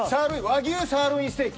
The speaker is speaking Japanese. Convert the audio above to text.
和牛サーロインステーキ。